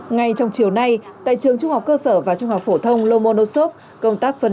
ngay trong chiều nay tại trường trung học cơ sở và trung học phổ thông lomonosov